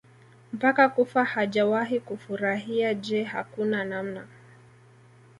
mpaka kufa hawajawahi kufurahia Je hakuna namna